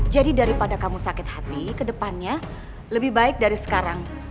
jadi daripada kamu sakit hati kedepannya lebih baik dari sekarang